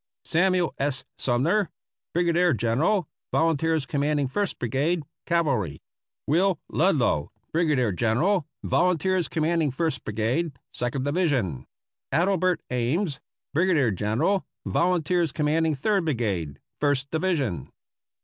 Samuel S. Summer, Brigadier General Volunteers Commanding First Brigade, Cavalry. Will Ludlow, Brigadier General Volunteers Commanding First Brigade, Second Division. Adelbert Ames, Brigadier General Volunteers Commanding Third Brigade, First Division.